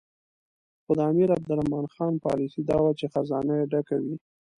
خو د امیر عبدالرحمن خان پالیسي دا وه چې خزانه یې ډکه وي.